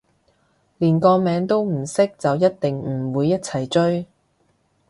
但連個名都唔識就一定唔會一齊追